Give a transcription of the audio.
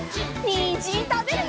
にんじんたべるよ！